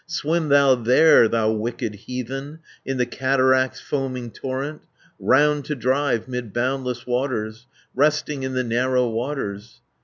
Swim thou there, thou wicked heathen, In the cataract's foaming torrent, 430 Round to drive 'mid boundless waters, Resting in the narrow waters.